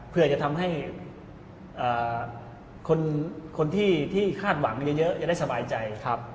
เพื่อจะทำให้คนที่คาดหวังเยอะจะได้สบายใจ